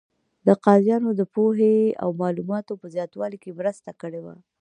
د قاضیانو د پوهې او معلوماتو په زیاتوالي کې مرسته کړې وه.